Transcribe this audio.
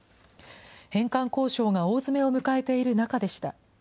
返還交渉が大詰めを迎えている中でした。